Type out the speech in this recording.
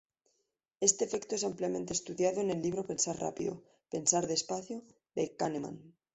Este efecto es ampliamente estudiado en el libro pensar rápido, pensar despacio de Kahneman.